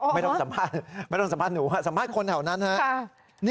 ไม่ต้องสัมภาษณ์หนูสัมภาษณ์คนแถวนั้น